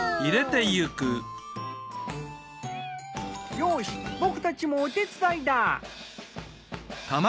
よし僕たちもお手伝いだ！